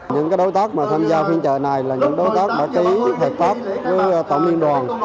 những đối tác mà tham gia phiên chợ này là những đối tác đã ký hợp tác với tổng liên đoàn